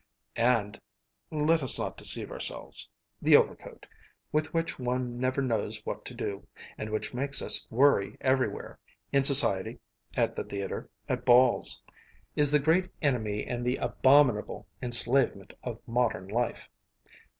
And (let us not deceive ourselves) the overcoat, with which one never knows what to do, and which makes us worry everywhere, in society, at the theatre, at balls, is the great enemy and the abominable enslavement of modern life.